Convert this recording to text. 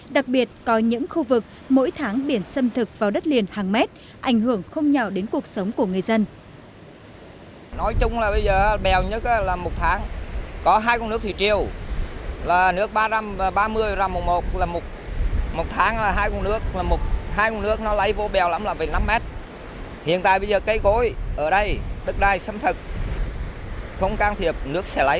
đặc biệt có những khu vực mỗi tháng biển sâm thực vào đất liền hàng mét ảnh hưởng không nhỏ đến cuộc sống của người dân